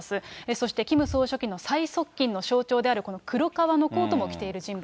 そしてキム総書記の最側近の象徴である黒革のコートも着ている人